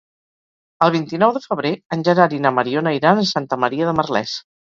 El vint-i-nou de febrer en Gerard i na Mariona iran a Santa Maria de Merlès.